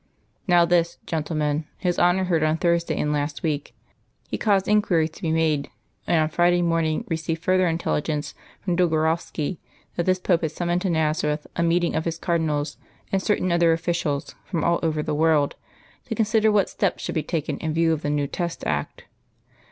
"Now this, gentlemen, His Honour heard on Thursday in last week. He caused inquiries to be made, and on Friday morning received further intelligence from Dolgorovski that this Pope had summoned to Nazareth a meeting of his cardinals, and certain other officials, from all over the world, to consider what steps should be taken in view of the new Test Act.